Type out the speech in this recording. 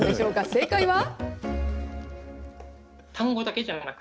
正解は。